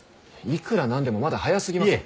いくらなんでもまだ早すぎます。